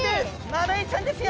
マダイちゃんですよ。